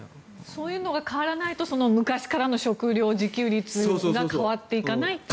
そういうのが変わらないと昔からの食料自給率が変わっていかないという。